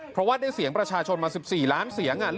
เพราะว่าได้เสียงประชาชนมา๑๔ล้านเสียง